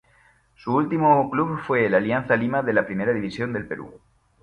Su último club fue el Alianza Lima de la Primera División del Perú.